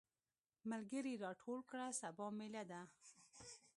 ملګري راټول کړه سبا ميله ده.